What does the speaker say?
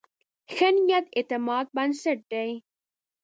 ښه نیت د اعتماد بنسټ دی.